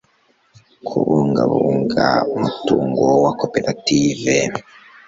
kubungabunga umutungo wa koperative